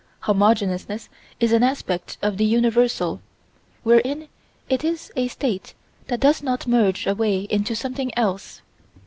Homogeneousness is an aspect of the Universal, wherein it is a state that does not merge away into something else.